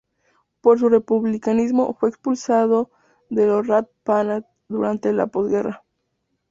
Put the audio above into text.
Por su republicanismo fue expulsado de Lo Rat Penat durante la posguerra.